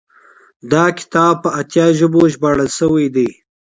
دا کتاب په اتیا ژبو ژباړل شوی دی.